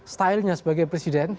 style nya sebagai presiden